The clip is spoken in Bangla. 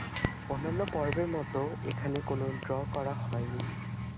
অন্যান্য পর্বের মতো এখানে কোন ড্র করা হয়নি।